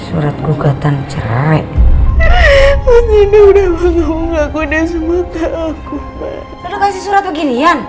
surat gugatan cerai